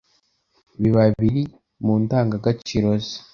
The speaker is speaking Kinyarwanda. biba biri mu ndangagaciro ze